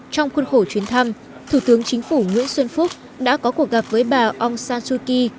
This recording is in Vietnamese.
trong khuôn khổ chuyến thăm thủ tướng chính phủ nguyễn xuân phúc đã có cuộc gặp với bà aung san suu kyi